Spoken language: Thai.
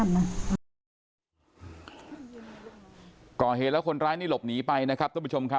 พอเห็นแล้วคนร้ายนี้หลบหนีไปต้นผู้ชมครับ